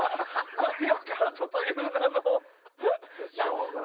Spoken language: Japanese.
「マリオカート」という名の。